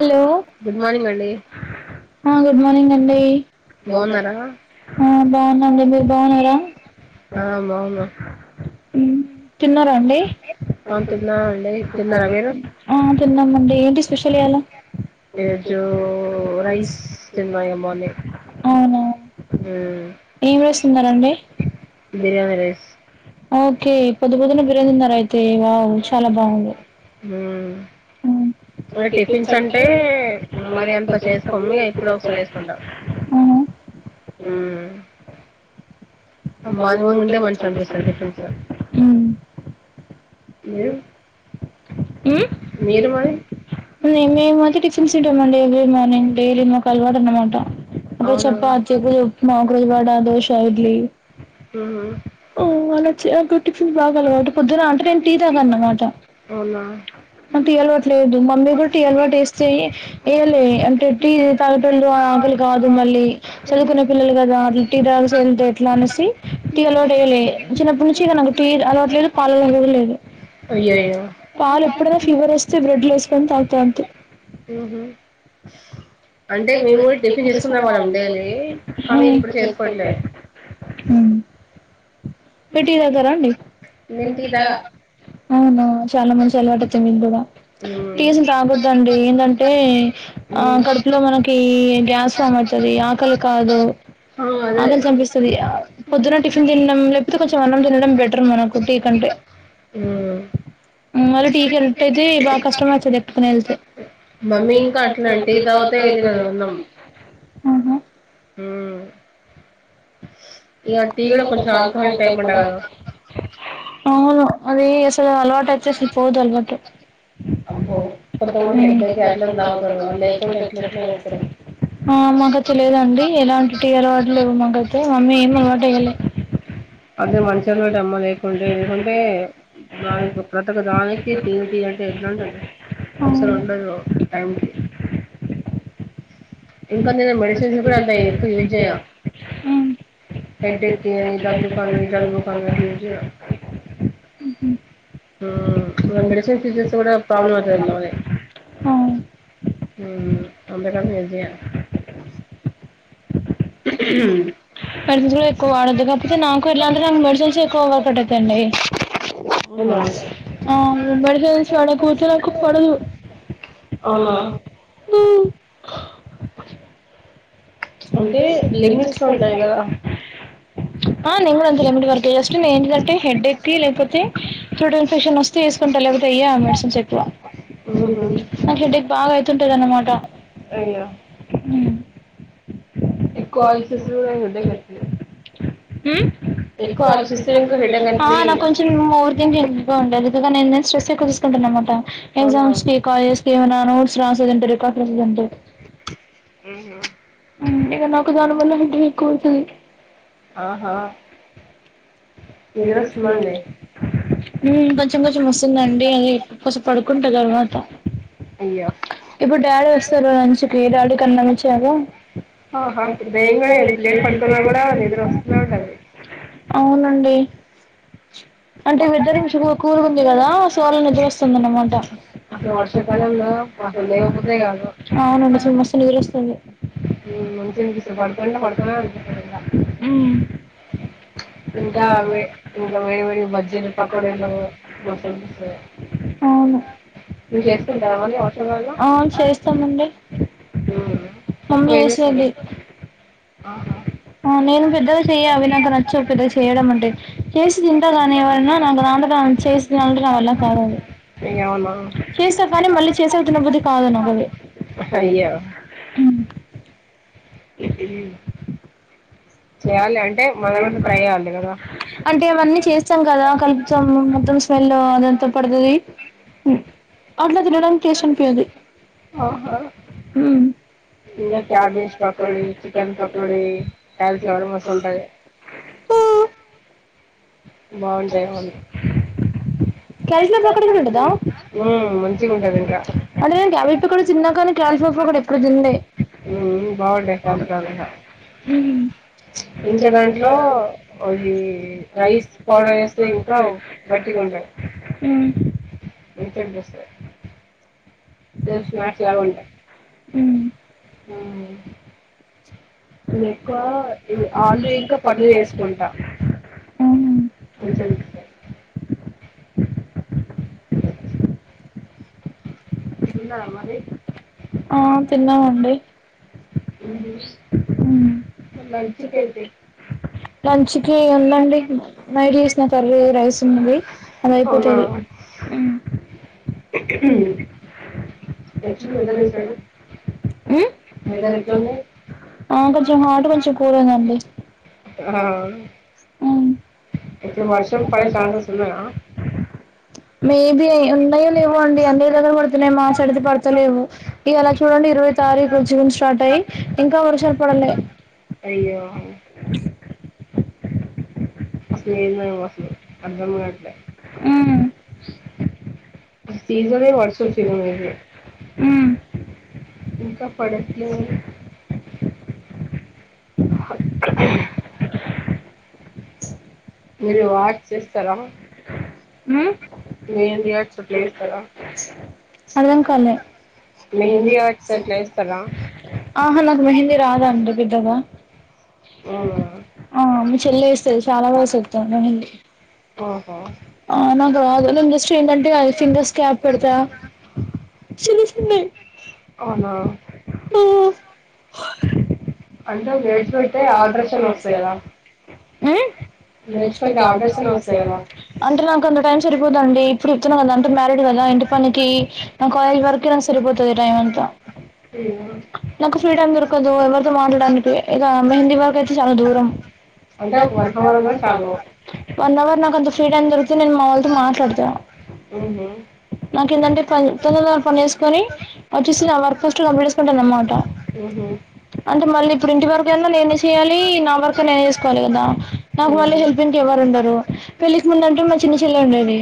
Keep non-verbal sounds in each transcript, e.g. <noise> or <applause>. Hello ఆ good morning అండి బాగున్నారా ఆ బాగున్న అండి మీరు బాగున్నారా తిన్నారా అండి ఆ తిన్నామండి ఏంటి <unintelligible> తిన్నారా అవునువును ఏం చేస్తున్నారండి బిర్యాని రైస్ ఓకే పొద్దు పొద్దునే బిర్యాని తిన్నార అయితే ఇగా చాలా బాగుండు మ్మ్ ఇంగా టిఫిన్స్ అంటే మరి అంత చేసుకోము ఎప్పుడు ఒకసారి చేసుకుంటాము అవునా అమ్మాయిలు కూడా తింటే మంచిగా అనిపిస్తారు టిఫెన్స్ నువ్వు మీరు ను మేము మేము అయితే టిఫిన్స్ ఎవ్రీ మార్నింగ్ డైలీ <unintelligible> అనమాట ఒక్క రోజు చపాతి, ఒక రోజు ఉప్మా ఒక రోజు వడ, దోశ, ఇడ్లీ ఓ వాళ్ళోచ్చి బాగలవా <unintelligible> పొద్దున అంటే నే అవునా నాకు టీ అలవాటు లేదు మమ్మీ కూడా టీ అలవాటు చేస్తే లేదులే అంటే టీ తాగేటోళ్ళు ఆకలి కాదు మళ్ళీ చదువుకునే పిల్లలు కదా అట్లా టీ తాగేసి వెళితే ఎట్లా అనేసి టీ అలవాటు వయ్యలే చిన్నప్పటి నుంచి ఇగ నాకు టీ అలవాటులేదు పాలు అలవటు కూడా లేదు పాలు ఎప్పుడైనా ఫీవర్ వస్తే బ్రెడ్ లో వేసుకొని తాగుతా అంతే ఉహ అంటే టట్సుకున్నామనండి ఇప్పుడు చేసుకోలే <unintelligible> ఉం మీరు టీ తాగుతారా అండి నేన్ టీ తాగా అవునా చాలా మంచి అలవాటు వచ్చే మీది కూడా టీ అసలు తాగోద్దండి ఏంటంటే ఆ కడుపులో మనకి గ్యాస్ ఫా అయితది ఆకలి కాదు ఆకలి చంపేస్తది పొద్దున టిఫిన్ తినడం లేకపోతే కొంచెం అన్నం తినడం బెటర్ మనకు టీ కంటే ఉం బా కష్టమాచ్చది ఎప్ప తనాళ్తే <unintelligible> మమ్మీ ఇంకా అట్లా <unintelligible> ఇ తర్వాత ఇది కదా ఉన్నాం ఉం ఇగ టీ లో కొంచెం ఆల్కహాల్ టైప్ ఉంటది అవును అది అసలు అలవాటు అయితే అసలు పోదు అలవాటు ంట అలవుతు అట్లా ఎకు ఎల వ <unintelligible> ఆ మాకు అయితే లేదండి ఎలాంటి టీ అలవాటు లేవు మాకుయితే మమ్మీ ఏం అలవాటు అయ్యలే అదే మష అమ్మ లేకుే లేకుంటే దా ప్రతి దానికి తేటి <unintelligible> అంటే ఎట్లాంటది ఒకసారి ఉండదు టైంకి ఇంక నేను మెడిసిన్స్ కూడా అంత ఎక్కువ యూజ్ చేయ హెడ్డక్కి దగ్గు కని <unintelligible> జలుబు కమి అర్లిజ ఆ మెడిసిన్ తిసేస్ ప్రాబ్లం వ <unintelligible> అంతకాడ విజయా <unintelligible> బడు వాడకుతుకు పడదు <unintelligible> అవునా అంటే లిమిట్స్ లో ఉంటాయి కదా ఆ నేను కూడా అంతే లిమిట్ వరకు జస్ట్ నేను ఏంటంటే హెడ్డేక్ కి లేకపోతే త్రోట్ ఇన్ఫెక్షన్ వస్తే వేసుకుంటా మెడిసిన్స్ ఎక్కువ. నాకు బాగా హెడ్డేక్ ఎక్కువ <unintelligible> ఉంటన్నమాట ఎక్కువ ఆలోచిస్తు హెడేక్ వస్తది నాకు కొంచెం మూరు దింట్లు ఎగా ఉండదు <unintelligible> ఇందుక నే స్్రస్ ఎక్కు తీసుకుంటానన్నమాట ఎగ్జామ్ కాలేజస్ి ఏమైనా నోస్ రాసదంటే రికార్డ్ రాసంటే <unintelligible> హూ హమ్ ఏక నాకు జను పది <unintelligible> ఉం కొంచం కొంచెం వస్తుందండి అదే కొస పడుకుంటా తర్వాత అయ్యో ఇప్పుడు డాడీ వస్తారు లంచిుకి డాడీకి అన్నం ఇచ్చాక అవునండి అంటే వెదర్ నుంచి కూలుకు ఉంది కదా సో అలా నిద్ర వస్తుందన్నమాట అవునండి సో మస్తు నిదరోస్తుంది హ్మ్ మంచిగా చూస్తా పడుకుంటే పడుకోవాలనే అనిపిస్తాది ఇగ ఇంకా అవే ఇంకా వెడి వెడి బజ్జీలు పకోడలు <unintelligible> మీరు చేసుకుంటారా మరి అవస వాంలో ఆ కొయినీస్తవా ఆ నేను పెద్దగా చెయ్య అవి నాకు నచ్చవు పెద్దగా చెయడం అంటే చేసి తింటా కానీ ఎవరన్నా నాకు దాంట చేసది నా వల్ల కాదు అది చేస్తా కానీ మళ్ళీ చేసకా తినాబుద్ది కాదు నాకు అది హ్మ్ మ్మ్ అంటే అవన్నీ చేస్తాం కదా కలుపుతాము స్మెల్ అదంతా పడదు అట్లా తినడానికి టేస్ట్ అనిపియదు ఓహో ఇంకా cabbage pakodi chicken pakodi cauliflower మస్త ఉంటది మ్మ్ మంచిగా ఉంటది ఇంకా అంటే నేను క్యాబేజ్ పకోడి తిన్నా కానీ కాలీఫ్లవర్ పకోడి ఎప్పుడూ తినలే మ్మ్ <inaudible> హ్మ్ ఇంకేం పిస్తా మ్మ్ నేను ఎక్కువ ఈ ఆలుూ ఇంకా పన్నీర్ చేసుకుంటా కుంచం తిన్నారా మరి ఆ తిన్నామండి హ్మ్ లంచ్ కి ఉందండి నైట్ చేసిన కర్రీ రైస్ ఉంది అది అయిపోతది మ్మ్ ఆ కొంచెం హార్ట్ కొంచెం కూరైందండి ఆ ఎప్పుడు వర్షం పడే ఛాన్సెసెస్ ఉన్నాయా మేబీ ఉన్నాయో లేవో అండి అని ఇల్లాల దగ్గర పడుతున్నాయి మా సైడ్ అయితే పడత లేవు ఇవాలా చూడండి ఇరవై తారీఖ జూన్ స్టార్ట్ అయ్యి ఇంకా వరుషాలు పడలే అయ్యో అసల్ ఏంటో ఇవి అసలు అర్థం కాట్లే మ్మ్ సీజనే వర్షం సీజన్ ఇది ఇంకా పడట్లేదు అర్థం కాలే ఆహా నాకు మెహందీ రాదు అండి పెద్దగా ఆహ్ మీ చెల్లి ఎస్తది <unintelligible> ఎస్తది. ఆహ్ నాకు రాదు నేను జస్ట్ ఏంటంటే అది ఫింగర్స్ క్యాప్ పెడతా. చిన్ని చిన్ని. అవునా. అంటే వేచి పెట్టే ఆ రషాలు వస్తాయా మా. అంటే నాకు అంత టైం సరిపోదండి ఇప్పుడు చెప్తున్నా కదా అంటే మ్యారీడ్ కదా ఇంటి. ఇప్పనికి కాలేజ్ వర్క్ సరిపోతది టైమ్ అంత. నాకు ఫ్రీడం దొరకదు ఎవరితో. ఇగ మెహందీ బాగ్ అయితే చాలా దూరం. వన్ అవర్ నాకు అంత ఫ్రీ టైమ్ దొరికితే నేను మా వాళ్ళతో మాట్లాడతా. ఆహ్. ఏందంటే పది తొందర తొందర పని చేసుకొని వచ్చేసి నా వర్క్ ఫస్ట్ కంప్లీట్ చేసుకుంటాను అన్నమాట. ఆహ్. అంటే మళ్ళీ ఇప్పుడు ఇంటి వర్క్ యైనా నేనే చేయాలి. నా వర్క్ ఐన నేనే చేసుకోవాలి కదా నాకు మళ్ళీ. హెల్పింగ్ కి ఎవ్వరూ ఉండారు. పెళ్ళికి ముందంటే మా చిన్న చెల్లి ఉండేది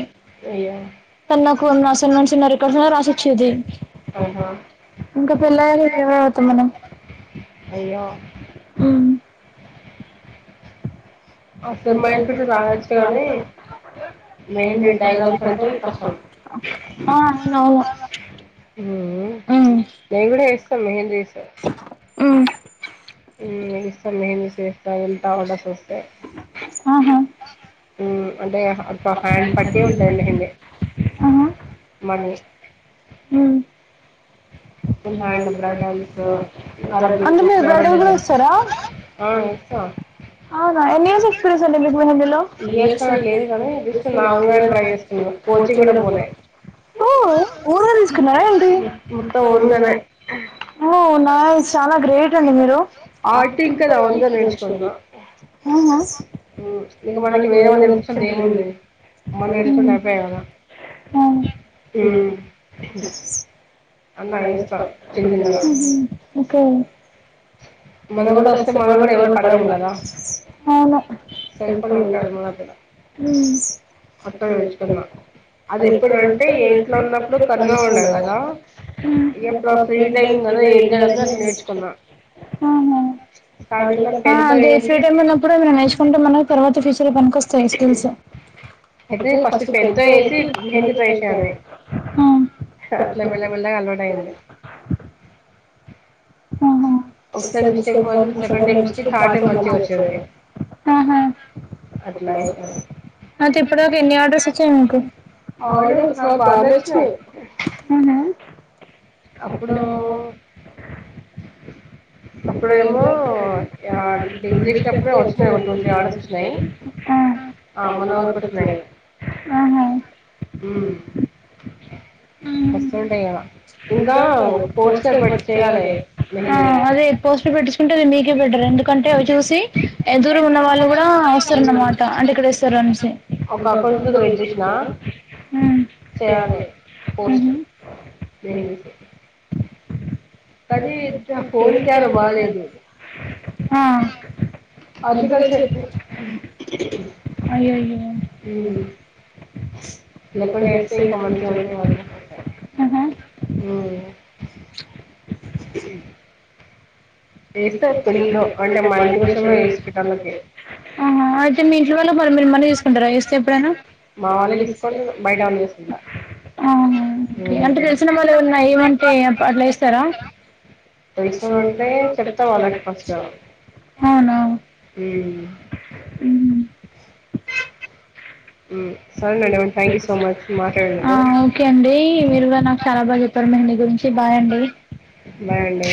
తను నా. న్న అసైన్మెట్స్ రికార్డ్స్ ఉన్నా రాసిచ్చేది ఇంకా పెళ్ళే. కేవతా మనం. అయ్యో. పెళ్లయితే కూడా రావచ్చు <unintelligible> ఆహ్ నో. ఉమ్ నేను కూడా వేస్తాం మెహేంది వేస్తా. ఏమిస్తాం మెహందీసేస్తా ఉంటాం హాలిడేస్వస్తే‌. అంటే ఆహ్ హ్యాండ్ ను పట్టి ఉంటది మెహేంది. మనం. మా ఆయన బ్రాండ్ అంబాసిడర్. ఆరబ్బటు <unintelligible> ఆహ్ ఇస్తాం. ఇగ చేస్తరని లేదుగానీ చూస్తున్న నా వంతు నేను ట్రై చేస్తున్నా. కోచింగ్ కూడా పోలే. అవునా. ఓ నైస్ చాలా గ్రేట్ అండి మీరు. ఆహ్ ఆహ్. ఉమ్. ఉమ్. ఉమ్ ఓకే. మన్న కూడా వస్తే పోన కూడ <unintelligible> అవును ఉమ్. అట్ల నేర్చుకున్న. అది ఎప్పుడంటే ఏపీల్ ఉన్నప్పుడు కనీ ఉండే కదా. ఉమ్ ఆహ్. ఆహ్ అదే ఫ్రీ టైమ్ ఉన్నప్పుడు ఏమన్నా నేర్చుకుంటే మనకు తర్వాత ఫ్యూచర్ లో పనికొస్తాయి స్కిల్స్. అయితే ఫస్ట్ పెద్దగా ఐతే <unintelligible> నాకేంది. అచ్చా. ఒకసారి మిస్టేక్ పోతే second time mistake third time మంచిగా వచ్చేది. అట్లా అయితంది అయితే ఇప్పటి వరకు ఎన్ని ఆర్డర్స్ వచ్చాయి మీకు ఆర్డర్స్ ఆ బానే వచ్చినయ్ అప్పుడు <unintelligible> ఆ <unintelligible> అహ హుమ్ వస్తుంటాయి కదా ఇంకా పోస్టర్ పెట్టి చేయాలి మెహందిది పోస్ట్లు పెట్టించుకుంటే అది మీకే బెటర్ ఎందుకంటే అవి చూసి ఎదురున్న వాళ్ళు కూడా వస్తారన్నమాట ఇక్కడ ఎస్తారనేసి <unintelligible> చేయ్యలె పోస్ట్ మెహందీస్ అది ఫోన్ చే చారు కానీ ఆ అందుకని చెప్పి మ్ లేకుండా చెస్తే ఇంకా మంచిగా ఉంటాయి <unintelligible> మ్ మీకు తెలియలే అంటే మా <unintelligible> ఆహా అయితే మీ ఇంట్లో వల్లకి మరి మీరు మని తీసుకుంటారా చేస్తే ఎప్పుడైనా బావోళ్లకిస్తే బైట అమ్మెస్ ఆహ ఓకే అంటే తెలిసిన వాళ్ళు ఏవరన్నా ఎయ్య మంటే అట్లా ఏస్తారా ఎస్తామంటే చెప్ చెప్తా వాళ్లకు ఫస్ట్ మ్ ఆ ఓకే అండి మీరు కూడా నాకు చాల బాగా చెప్పారు మీ గురించి బాయండి బాయండి